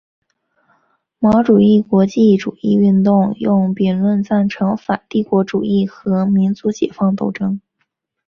毛主义国际主义运动用舆论赞成反帝国主义和民族解放斗争。